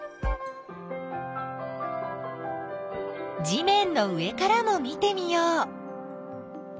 地めんの上からも見てみよう。